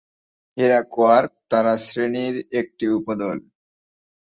এরা কোয়ার্ক তারা শ্রেণির একটি উপদল।